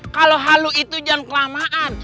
kalau halu itu jangan kelamaan